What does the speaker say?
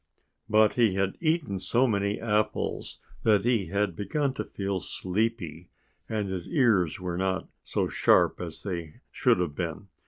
But he had eaten so many apples that he had begun to feel sleepy; and his ears were not so sharp as they should have been.